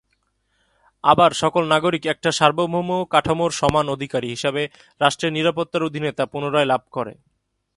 আবার সকল নাগরিক একটা সার্বভৌম কাঠামোর সমান অধিকারী হিসাবে রাষ্ট্রের নিরাপত্তার অধীনে তা পুনরায় লাভ করে।